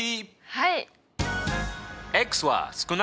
はい！